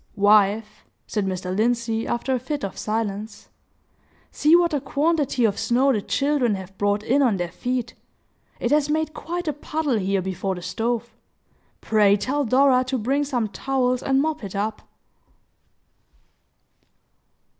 "Wife," said Mr. Lindsey, after a fit of silence, "see what a quantity of snow the children have brought in on their feet! It has made quite a puddle here before the stove. Pray tell Dora to bring some towels and mop it up!"